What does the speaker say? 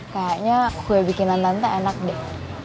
kayaknya kue bikinan tante enak deh